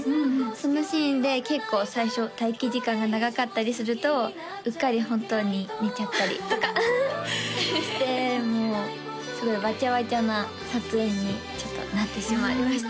そのシーンで結構最初待機時間が長かったりするとうっかり本当に寝ちゃったりとかしてもうすごいワチャワチャな撮影にちょっとなってしまいました